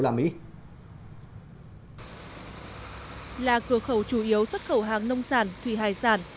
là cửa khẩu chủ yếu xuất khẩu hàng nông sản thủy hải sản